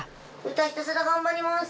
歌ひたすら頑張ります。